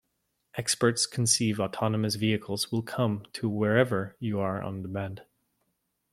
Experts conceive autonomous vehicles will come to wherever you are on demand.